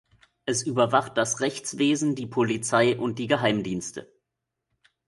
Es überwacht das Rechtswesen, die Polizei und die Geheimdienste.